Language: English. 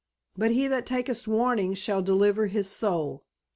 But he that taketh warning shall deliver his soul.